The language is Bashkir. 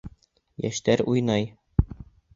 Йәштәр уйнай!